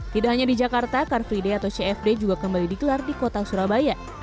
tidak hanya di jakarta car free day atau cfd juga kembali digelar di kota surabaya